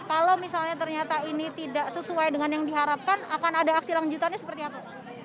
kalau misalnya ternyata ini tidak sesuai dengan yang diharapkan akan ada aksi lanjutannya seperti apa